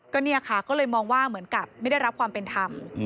ก็เนี่ยค่ะก็เลยมองว่าเหมือนกับไม่ได้รับความเป็นธรรม